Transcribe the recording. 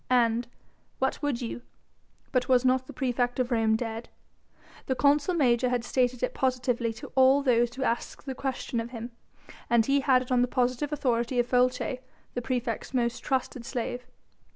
And what would you? but was not the praefect of Rome dead? The consul major had stated it positively to all those who asked the question of him, and he had it on the positive authority of Folces, the praefect's most trusted slave.